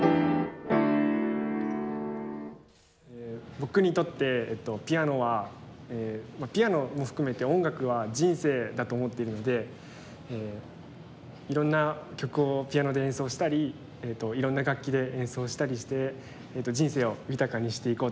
僕にとってピアノはピアノも含めて音楽は人生だと思っているのでいろんな曲をピアノで演奏したりいろんな楽器で演奏したりして人生を豊かにしていこうと思ってます。